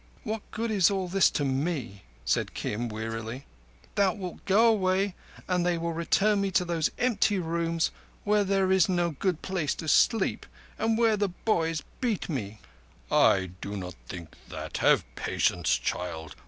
"What good is all this to me?" said Kim wearily. "Thou wilt go away, and they will return me to those empty rooms where there is no good place to sleep and where the boys beat me." "I do not think that. Have patience, child.